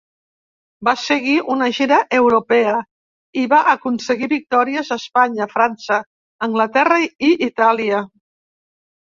Va seguir una gira europea, i va aconseguir victòries a Espanya, França, Anglaterra i Itàlia.